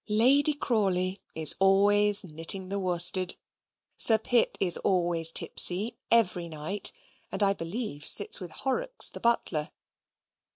Lady Crawley is always knitting the worsted. Sir Pitt is always tipsy, every night; and, I believe, sits with Horrocks, the butler.